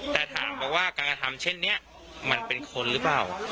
แต่ถามมาว่าการกระทำเช่นนี้มันเป็นคนหรือเปล่า